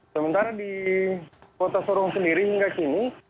sementara di kota sorong sendiri hingga kini